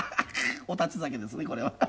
『お立ち酒』ですねこれは。